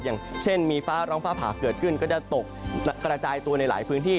อย่างเช่นมีฟ้าร้องฟ้าผ่าเกิดขึ้นก็จะตกกระจายตัวในหลายพื้นที่